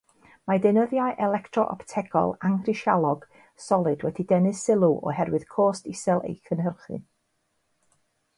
Mae deunyddiau electro-optegol anghrisialog, solid wedi denu sylw oherwydd cost isel eu cynhyrchu.